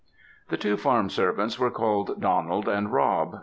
The two farm servants were called Donald and Rob.